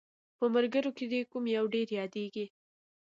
په ملګرو کې دې کوم یو ډېر یادیږي؟